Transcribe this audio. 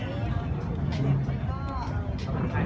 แม่กับผู้วิทยาลัย